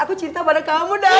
aku cinta pada kamu dah